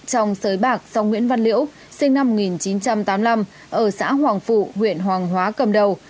trong sới bạc do nguyễn văn liễu sinh năm một nghìn chín trăm tám mươi năm ở xã hoàng phụ huyện hoàng hóa cầm đầu